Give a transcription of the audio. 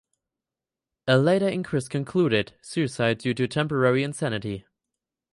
A later inquest concluded "suicide due to temporary insanity".